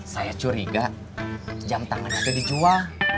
saya curiga jam tangan ada dijual